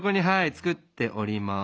作っております。